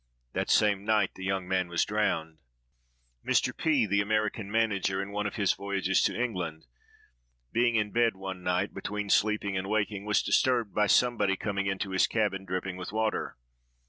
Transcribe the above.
That same night the young man was drowned. Mr. P——, the American manager, in one of his voyages to England, being in bed one night, between sleeping and waking, was disturbed by somebody coming into his cabin, dripping with water.